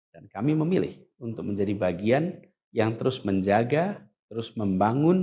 dan kami memilih untuk menjadi bagian yang terus menjaga terus membangun